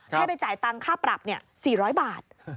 ให้ไปจ่ายตังค่าปรับ๔๐๐บาท